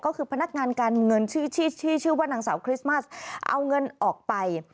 ก็คือพนักงานการเงินชื่อชื่อว่านางสาวคริสต์มัสเอาเงินออกไป